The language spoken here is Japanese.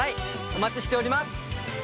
お待ちしております。